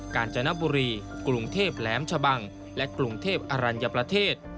กาญจนบุรีกรุงเทพแหลมชะบังและกรุงเทพอรัญญประเทศ